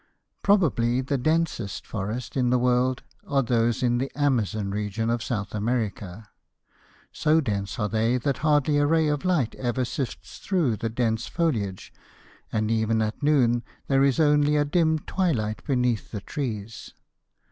Probably the densest forests in the world are those in the Amazon region of South America. So dense are they that hardly a ray of light ever sifts through the dense foliage, and even at noon there is only a dim twilight beneath the trees.